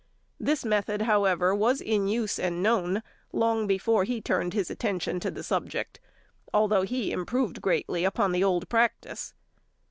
This method, however, was in use and known long before he turned his attention to the subject, although he improved greatly upon the old practice.